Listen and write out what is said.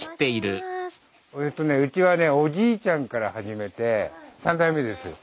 うちはねおじいちゃんから始めて３代目です。